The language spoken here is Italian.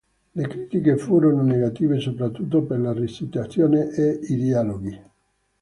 Le critiche furono negative soprattutto per la recitazione e i dialoghi.